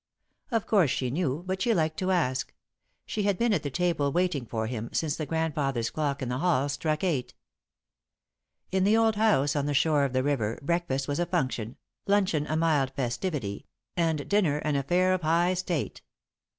Of course she knew, but she liked to ask. She had been at the table, waiting for him, since the grandfather's clock in the hall struck eight. In the old house on the shore of the river, breakfast was a function, luncheon a mild festivity, and dinner an affair of high state.